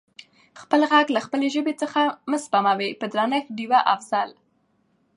خپل غږ له خپلې ژبې څخه مه سپموٸ په درنښت ډیوه افضل🙏